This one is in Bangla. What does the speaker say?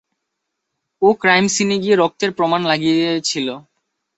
ও ক্রাইম সিনে গিয়ে রক্তের প্রমাণ লাগিয়েছিল।